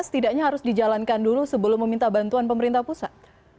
setidaknya harus dijalankan dulu sebelum meminta bantuan pemerintah pusat